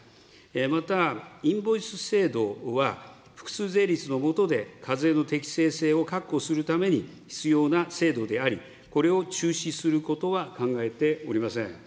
また、インボイス制度は複数税率の下で課税の適正性を確保するために必要な制度であり、これを中止することは考えておりません。